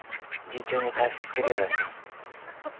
順調に回復してるようだし。